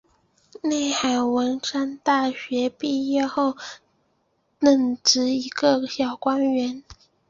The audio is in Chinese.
内海文三大学毕业后任职一个小官员。